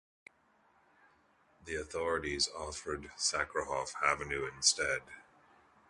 The authorities offered Sakharov Avenue instead.